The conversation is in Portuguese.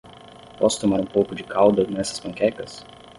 Posso tomar um pouco de calda nessas panquecas?